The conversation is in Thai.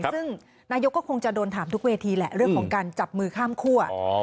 ซึ่งนายกก็คงจะโดนถามทุกเวทีแหละเรื่องของการจับมือข้ามคั่ว